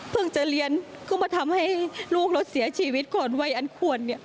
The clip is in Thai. จะเรียนก็มาทำให้ลูกเราเสียชีวิตก่อนวัยอันควร